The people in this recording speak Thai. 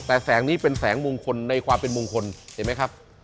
แต่แสงนี้เป็นแสงมงคลในความเป็นมงคลเห็นไหมครับ